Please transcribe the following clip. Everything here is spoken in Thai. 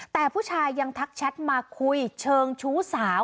แต่ผู้ชายยังทักแชทมาคุยเชิงชู้สาว